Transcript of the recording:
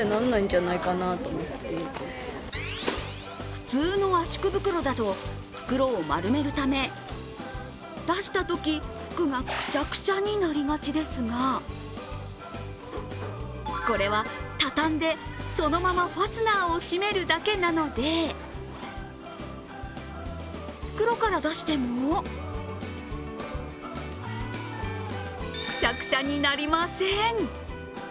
普通の圧縮袋だと袋を丸めるため出したとき、服がくしゃくしゃになりがちですがこれは畳んでそのままファスナーを閉めるだけなので袋から出してもくしゃくしゃになりません。